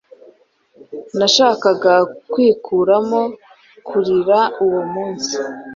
Nashakaga kwikuramo kurira uwo munsi.